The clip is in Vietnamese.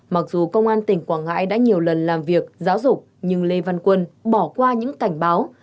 mặc dù công an tỉnh quảng ngãi đã nhiều lần làm việc giáo dục nhưng lê văn quân bỏ qua những cảnh báo